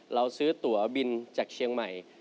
เราซื้อตัวบินจากเชียงใหม่